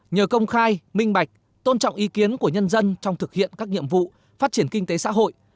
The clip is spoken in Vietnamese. nhờ công khai minh bạch tôn trọng ý kiến của nhân dân trong thực hiện các nhiệm vụ phát triển kinh tế xã hội